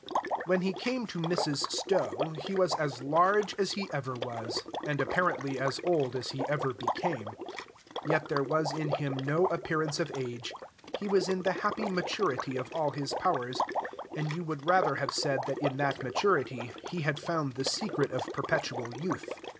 When he came to Mrs. Stowe, he was as large as he ever was, and apparently as old as he ever became. Yet there was in him no appearance of age; he was in the happy maturity of all his powers, and you would rather have said that in that maturity he had found the secret of perpetual youth.